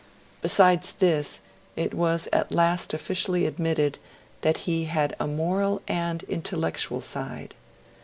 Besides this, it was at last officially admitted that he had a moral and intellectual side.